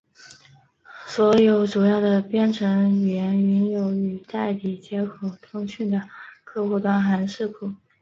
所有主要的编程语言均有与代理接口通讯的客户端函式库。